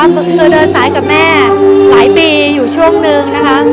ก็คือเดินสายกับแม่หลายปีอยู่ช่วงนึงนะคะ